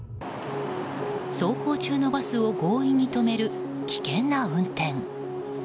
走行中のバスを強引に止める危険な運転。